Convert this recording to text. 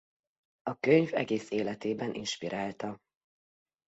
A könyv egész életében inspirálta.